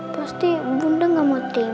pasti bunda gak mau tim